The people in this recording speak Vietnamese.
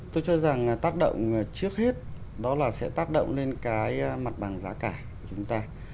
tôi cho rằng tác động trước hết đó là sẽ tác động lên cái mặt bằng giá cả của chúng ta